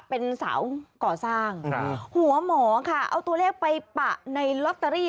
เป็นสาวก่อสร้างหัวหมอค่ะเอาตัวเลขไปปะในลอตเตอรี่